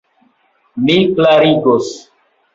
Mi klarigos.